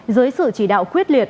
dưới sự chỉ đạo quyết liệt